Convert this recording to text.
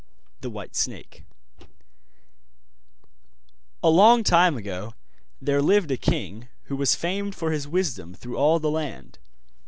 THE WHITE SNAKE A long time ago there lived a king who was famed for his wisdom through all the land.